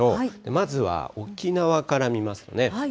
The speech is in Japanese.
まずは沖縄から見ますと。